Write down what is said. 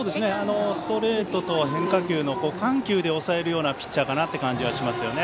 ストレートと変化球の緩急で抑えるようなピッチャーかなと思いますね。